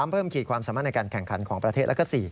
เพิ่มขีดความสามารถในการแข่งขันของประเทศและก็๔